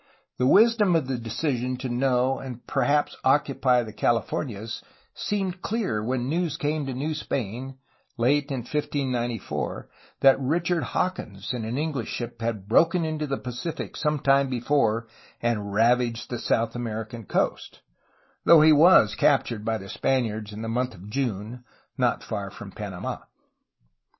The wisdom of the decision to know and perhaps occupy the Californias seemed clear when news came to New Spain, late in 1594, that Richard Hawkins in an English ship had broken into the Pacific some time before and ravaged the South American coast, though he was captured by the Spaniards in the month of June, not far from Panamd.